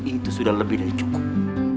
itu sudah lebih dari cukup